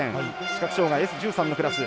視覚障がいＳ１３のクラス。